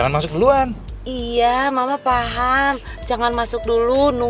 gue mau ketemu sama anya dulu